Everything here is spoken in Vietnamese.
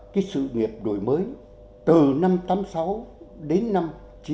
cái sự nghiệp đổi mới từ năm tám mươi sáu đến năm chín mươi tám